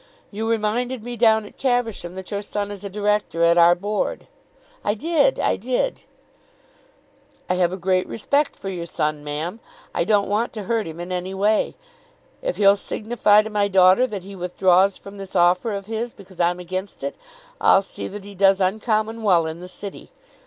You reminded me down at Caversham that your son is a Director at our Board." "I did; I did." "I have a great respect for your son, ma'am. I don't want to hurt him in any way. If he'll signify to my daughter that he withdraws from this offer of his, because I'm against it, I'll see that he does uncommon well in the city.